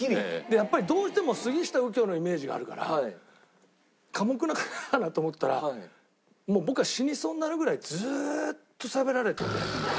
やっぱりどうしても杉下右京のイメージがあるから寡黙な方かなと思ったら僕が死にそうになるぐらいずーっとしゃべられてて。